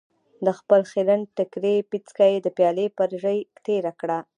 د خپل خيرن ټکري پيڅکه يې د پيالې پر ژۍ تېره کړه.